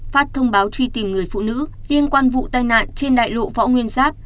phát thông báo truy tìm người phụ nữ liên quan vụ tai nạn trên đại lộ võ nguyên giáp